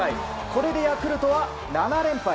これでヤクルトは７連敗。